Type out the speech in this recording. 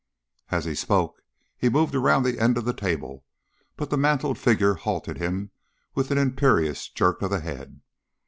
As he spoke he moved around the end of the table, but the mantled figure halted him with an imperious jerk of the head.